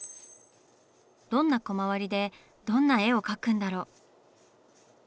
どんなコマ割りでどんな絵を描くんだろう？